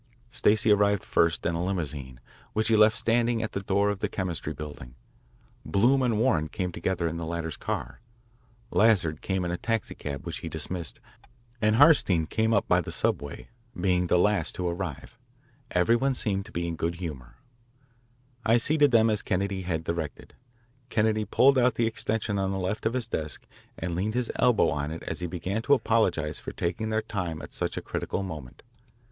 Stacey arrived first in a limousine which he left standing at the door of the Chemistry Building. Bloom and Warren came together in the latter's car. Lazard came in a taxicab which he dismissed, and Hartstein came up by the subway, being the last to arrive. Every one seemed to be in good humour. I seated them as Kennedy had directed. Kennedy pulled out the extension on the left of his desk and leaned his elbow on it as he began to apologise for taking up their time at such a critical moment.